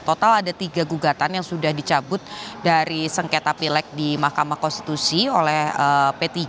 total ada tiga gugatan yang sudah dicabut dari sengketa pilek di mahkamah konstitusi oleh p tiga